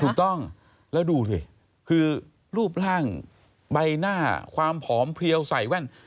ถูกต้องแล้วดูสิคือรูปร่างใบหน้าความผอมเพลียวใส่แว่น